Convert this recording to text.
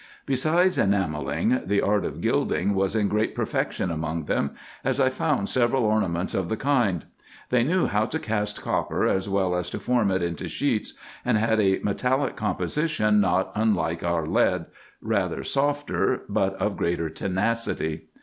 Beside enamelling, the art of gilding was in great perfection among them, as I found several ornaments of the kind. They knew how to cast copper as well as to form it into sheets, and had a 174 RESEARCHES AND OPERATIONS metallic composition not unlike our lead, rather softer, but of greater tenacity.